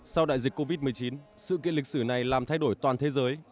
sau đại dịch covid một mươi chín sự kiện lịch sử này làm thay đổi toàn thế giới